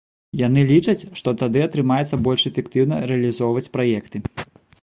Яны лічаць, што тады атрымаецца больш эфектыўна рэалізоўваць праекты.